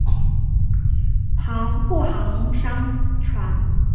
接着罗宾逊号被派往法国海域护航商船。